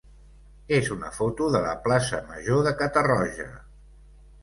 és una foto de la plaça major de Catarroja.